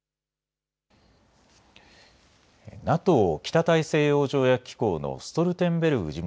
ＮＡＴＯ・北大西洋条約機構のストルテンベルグ